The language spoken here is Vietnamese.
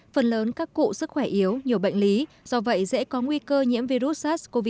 phần lớn các cụ sức khỏe yếu nhiều bệnh lý do vậy dễ có nguy cơ nhiễm virus sars cov hai